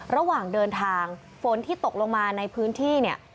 ระหว่างเดินทางฝนที่ตกลงมาในพื้นที่เนี่ย